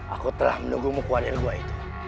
aku telah menunggu mukadir gue itu